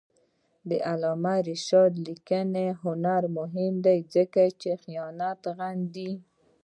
د علامه رشاد لیکنی هنر مهم دی ځکه چې خیانت غندي.